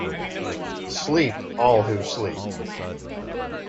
Sleep, all who sleep!